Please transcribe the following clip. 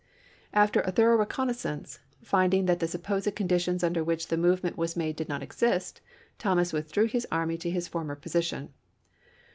After a thorough reconnaissance, finding that the supposed conditions under which the movement was made did not exist, Thomas withdrew his army to his former position.